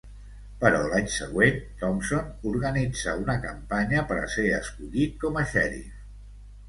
Però l'any següent, Thompson organitza una campanya per a ser escollit com a xèrif.